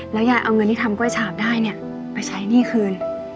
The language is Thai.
ยายเอาเงินที่ทำกล้วยฉาบได้เนี่ยไปใช้หนี้คืน